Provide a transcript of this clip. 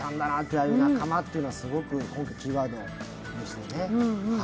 ああいう仲間というのはすごくキーワードでしたよね。